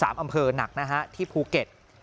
๓อำเภอหนักที่ภูเก็ต